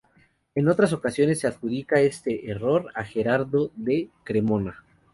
En otras ocasiones se adjudica este error a Gerardo de Cremona.